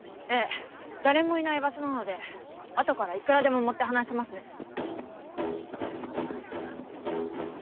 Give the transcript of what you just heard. ええ誰もいない場所なので後からいくらでも盛って話せますね。